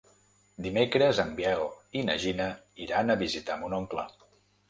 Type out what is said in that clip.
Dimecres en Biel i na Gina iran a visitar mon oncle.